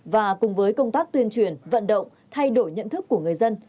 và cùng với công tác tuyên truyền vận động thay đổi nhận thức của người dân